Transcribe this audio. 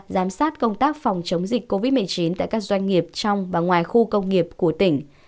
giám sát công tác phòng chống dịch covid một mươi chín tại các doanh nghiệp trong và ngoài khu công nghiệp của tỉnh